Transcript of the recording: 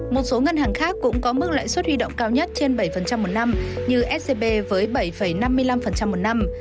một số ngân hàng khác cũng có mức lãi suất huy động cao nhất trên bảy một năm như scb với bảy năm mươi năm một năm